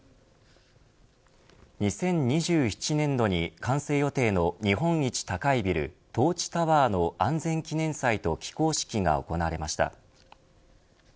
２０２７年度に完成予定の日本一高いビルトーチタワーの安全記念起工式が行われました。